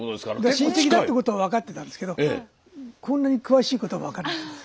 親戚だってことは分かってたんですけどこんなに詳しいことは分からなかったです。